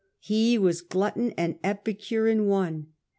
He was glutton and epi cure in one.